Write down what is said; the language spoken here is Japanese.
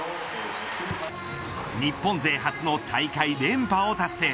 日本勢初の大会連覇を達成。